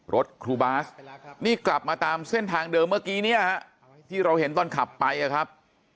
รถครูบาสนี่กลับมาตามเส้นทางเดิมเมื่อกี้เนี่ยฮะที่เราเห็นตอนขับไปนะครับ